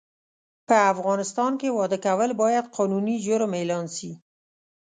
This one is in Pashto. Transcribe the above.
په افغانستان کې واده کول باید قانوني جرم اعلان سي